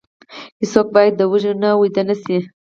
هیڅوک باید وږی ونه ویده شي.